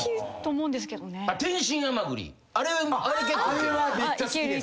あれはめっちゃ好きです。